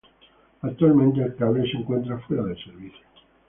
Actualmente el cable se encuentra fuera de servicio.